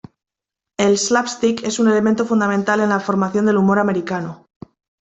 El slapstick es un elemento fundamental en la formación del humor americano.